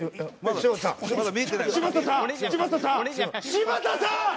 柴田さん！